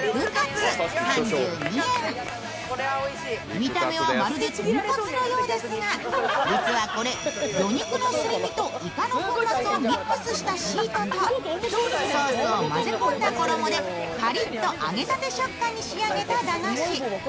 見た目はまるで豚カツのようですが実はこれ、魚肉のすり身といかの粉末をミックスしたシートとソースを混ぜ込んだ衣でパリッと揚げたて食感に仕上げた駄菓子。